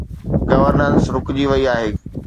Governance رڪجي وئي آهي.